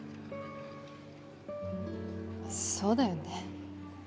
そうだよね